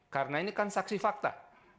karena ini kan saksi fakta